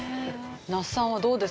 那須さんはどうですか？